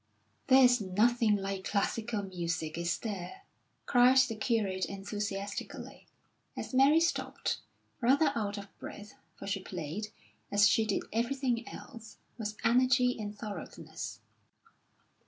"There's nothing like classical music, is there?" cried the curate enthusiastically, as Mary stopped, rather out of breath, for she played, as she did everything else, with energy and thoroughness.